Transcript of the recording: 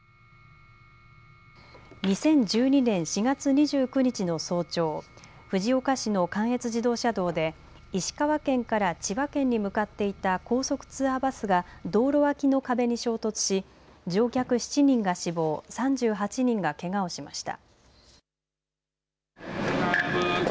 ２０１２年４月２９日の早朝、藤岡市の関越自動車道で石川県から千葉県に向かっていた高速ツアーバスが道路脇の壁に衝突し乗客７人が死亡、３８人がけがをしました。